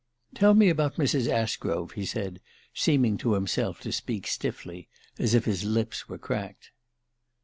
"Tell me about Mrs. Ashgrove," he said, seeming to himself to speak stiffly, as if his lips were cracked.